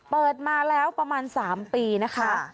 เปิดมาแล้วประมาณ๓ปีนะคะ